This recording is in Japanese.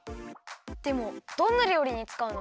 でもどんなりょうりにつかうの？